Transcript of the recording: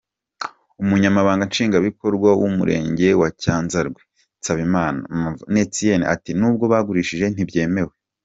Umunyamabanga Nshingwabikorwa w’Umurenge wa Cyanzarwe, Nsabimana Mvano Etienne, ati “Nubwo bagurishije ntibyemewe.